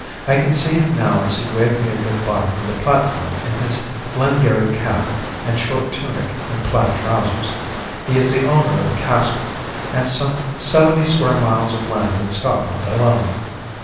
I can see him now as he waved me a good bye from the platform in his Glengarry cap and short tunic and plaid trousers. He is the owner of a castle and some seventy square miles of land in Scotland alone.